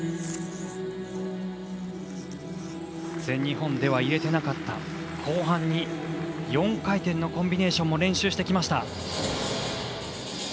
全日本では入れていなかった後半に４回転のコンビネーションも練習してきました。